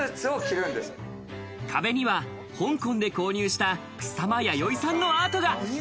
壁には香港で購入した草間彌生さんのアートが。